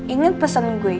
ingat pesan gue